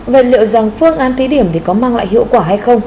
vậy liệu rằng phương án thí điểm thì có mang lại hiệu quả hay không